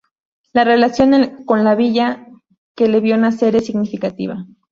La relación con la Villa que le vio nacer es significativa.